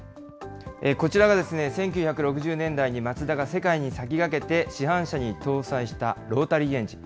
こちらが、１９６０年代にマツダが世界に先駆けて市販車に搭載したロータリーエンジン。